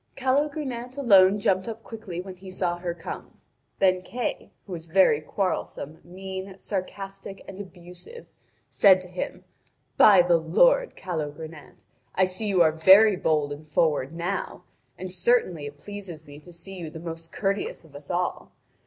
Calogrenant alone jumped up quickly when he saw her come. Then Kay, who was very quarrelsome, mean, sarcastic, and abusive, said to him: "By the Lord, Calogrenant, I see you are very bold and forward now, and certainly it pleases me to see you the most courteous of us all.